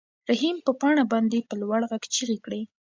رحیم په پاڼه باندې په لوړ غږ چیغې کړې.